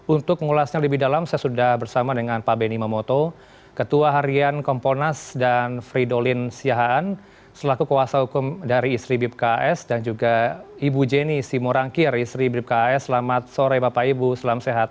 untuk mengulasnya lebih dalam saya sudah bersama dengan pak benny mamoto ketua harian komponas dan fridolin siahaan selaku kuasa hukum dari istri bipkas dan juga ibu jenny simorangkir istri bipkas selamat sore bapak ibu selamat sehat